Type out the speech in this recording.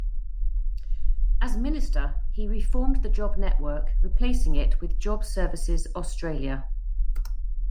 As Minister he reformed the Job Network, replacing it with Job Services Australia.